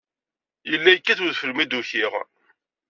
Yella yekkat udfel mi d-ukiɣ.